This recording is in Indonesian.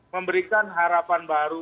memberikan harapan baru